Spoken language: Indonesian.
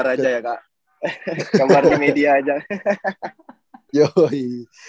soal sempat di sebelah sini